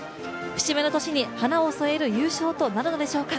節目の年に花を添える優勝となるのでしょうか。